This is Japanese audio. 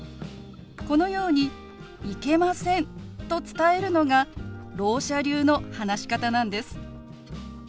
このように「行けません」と伝えるのがろう者流の話し方なんです。